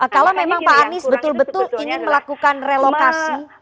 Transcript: kalau memang pak anies betul betul ingin melakukan relokasi